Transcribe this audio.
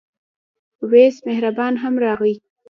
وېس مهربان هم راغی.